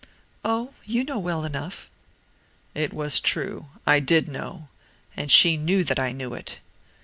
"'Oh! you know well enough.' "It was true; I did know; and she knew that I knew it.